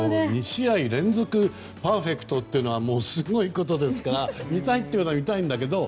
２試合連続パーフェクトはすごいことですから見たいのは見たいんだけど。